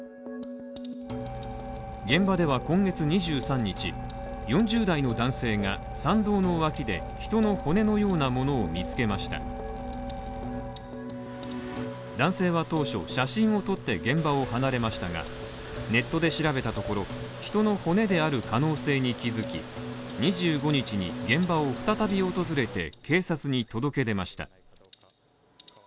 現場では今月２３日、４０代の男性が山道の脇で人の骨のようなものを見つけました男性は当初、写真を撮って現場を離れましたがネットで調べたところ、人の骨である可能性に気づき２５日に現場を再び訪れて警察に届け出ました。